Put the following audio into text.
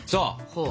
ほう。